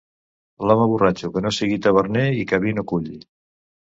L'home borratxo que no sigui taverner i que vi no culli.